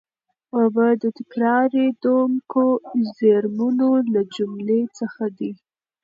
اوبه د تکرارېدونکو زېرمونو له جملې څخه دي.